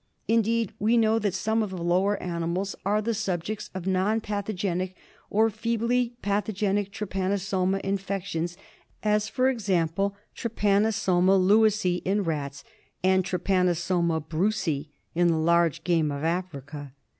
Indeed we know that some of the lower animals are the subjects of non pathogenic or feebly pathogenic trypano soma infections, as, for example, Trypanosoma lewisi in rats and Trypanosoma brucei in the large game of Africa.